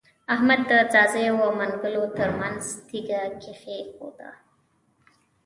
احمد د ځاځيو او منلګو تر منځ تيږه کېښوده.